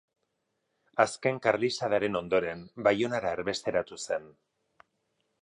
Azken Karlistadaren ondoren Baionara erbesteratu zen.